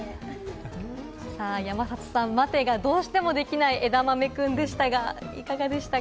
山里さん、待てがどうしてもできない、えだまめくんでしたが、いかがでしたか？